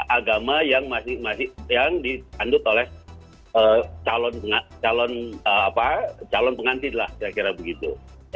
agama yang ditandut oleh calon pengantin lah kira kira begitu